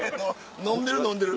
飲んでる飲んでる。